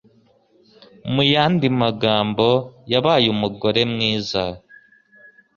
Mu yandi magambo, yabaye umugore mwiza.